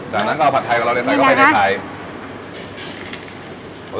จากนั้นก็เอาผัดไทยกับเราใส่เข้าไปในไทย